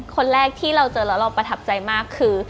คนแรกที่เราเจอแล้วเราประทับใจมากคือ